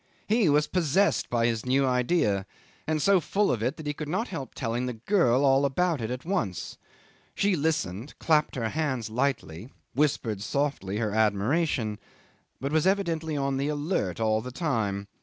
He was possessed by his new idea, and so full of it that he could not help telling the girl all about it at once. She listened, clapped her hands lightly, whispered softly her admiration, but was evidently on the alert all the time.